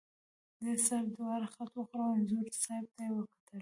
دې سره دواړو خټ وخوړه، انځور صاحب ته یې وکتل.